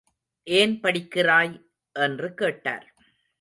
என்ன படிக்கிறாய்? என்று கேட்டார்.